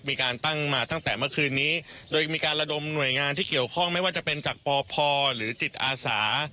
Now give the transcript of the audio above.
มีการตั้งมาตั้งแต่เมื่อคืนนี้โดยมีการระดมหน่วยงานที่เกี่ยวข้องไม่ว่าจะเป็นจากปพหรือจิตอาสา